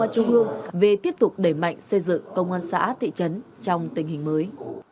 trung ương về tiếp tục đẩy mạnh xây dựng công an xã thị trấn trong tình hình mới